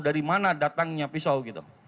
dari mana datangnya pisau